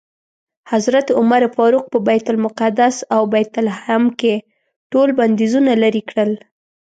حضرت عمر فاروق په بیت المقدس او بیت لحم کې ټول بندیزونه لرې کړل.